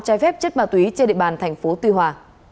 trái phép chất ma túy trên địa bàn tp tuy hòa